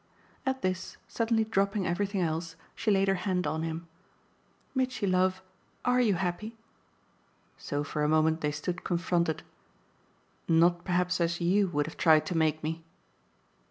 At this, suddenly dropping everything else, she laid her hand on him. "Mitchy love, ARE you happy?" So for a moment they stood confronted. "Not perhaps as YOU would have tried to make me."